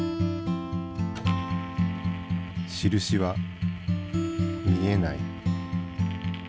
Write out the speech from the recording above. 印は見えない。